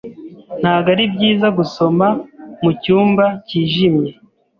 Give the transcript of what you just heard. Ntabwo ari byiza gusoma mu cyumba cyijimye.